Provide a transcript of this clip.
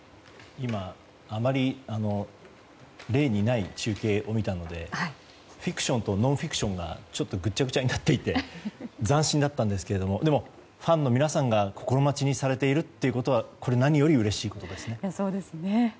あまり例にない中継を見たのでフィクションとノンフィクションがぐっちゃぐちゃになっていて斬新だったんですがでもファンの皆さんが心待ちにされていることは何よりうれしいことですね。